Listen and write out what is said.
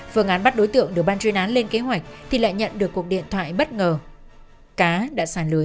phương án bắt đối tượng được ban chuyên án lên kế hoạch thì lại nhận được cuộc điện thoại bất ngờ cá đã xả lưới